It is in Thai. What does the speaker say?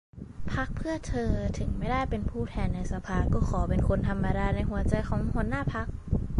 พรรคเพื่อเธอ : ถึงไม่ได้เป็นผู้แทนในสภา ก็ขอเป็นคนธรรมดาในหัวใจหัวหน้าพรรค